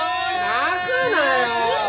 泣くなよ！